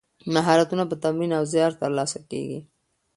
مهارتونه په تمرین او زیار ترلاسه کیږي.